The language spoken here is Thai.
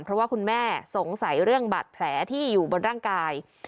เพราะว่าคุณแม่สงสัยเรื่องบาดแผลที่อยู่บนร่างกาย